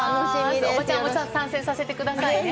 おばちゃんも参戦させてくださいね。